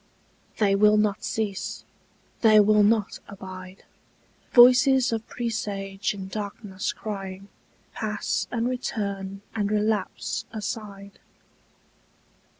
They will not cease, they will not abide: Voices of presage in darkness crying Pass and return and relapse aside.